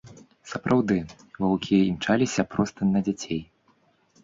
Сапраўды, ваўкі імчаліся проста на дзяцей.